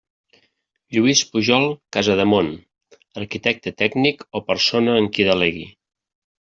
Lluís Pujol Casademont, Arquitecte Tècnic o persona en qui delegui.